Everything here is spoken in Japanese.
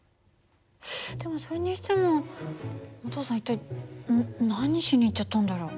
でもそれにしてもお父さん一体何しに行っちゃったんだろう？